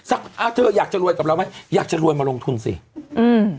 อ่าเธออยากจะรวยกับเราไหมอยากจะรวยมาลงทุนสิอืม